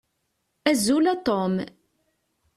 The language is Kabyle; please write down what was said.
Azul a Tom.